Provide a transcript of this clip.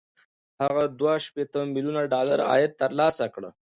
هغه دوه شپېته ميليونه ډالر عاید ترلاسه کړ